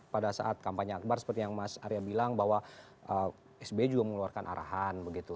pada saat kampanye akbar seperti yang mas arya bilang bahwa sby juga mengeluarkan arahan begitu